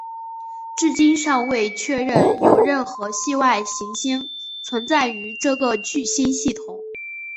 至今尚未确认有任何系外行星存在于这个聚星系统。